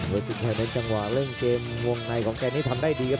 ด้านวัดชายในจังหวะเรื่องเกมวงในของแกมันทำได้ดีครับ